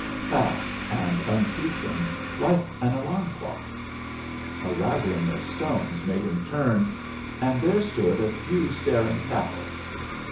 fast and unceasing, like an alarm clock. A rattling of stones made him turn, and there stood a few staring cattle.